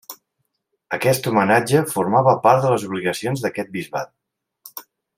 Aquest homenatge formava part de les obligacions d'aquest bisbat.